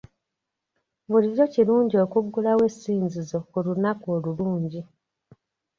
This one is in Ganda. Bulijjo kirungi okuggulawo essinzizo ku lunaku olulungi.